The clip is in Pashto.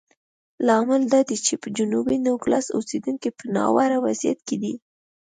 لامل دا دی چې جنوبي نوګالس اوسېدونکي په ناوړه وضعیت کې دي.